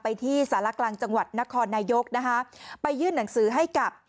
ที่สารกลางจังหวัดนครนายกนะคะไปยื่นหนังสือให้กับ